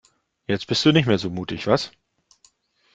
Jetzt bist du nicht mehr so mutig, was?